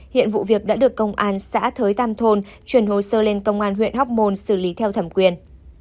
hiện vụ việc đã được công an xã thới tam thôn chuyển hồ sơ lên công an huyện hóc môn xử lý theo thẩm quyền